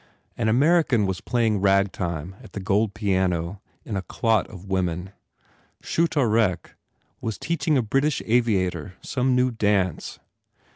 An American was playing ragtime at the gold piano, in a clot of women. Choute Aurec was teaching a British aviator some new dance.